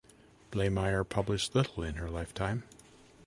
Blamire published little in her lifetime.